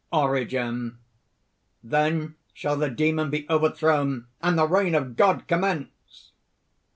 ORIGEN. "Then shall the Demon be over thrown and the reign of God commence!"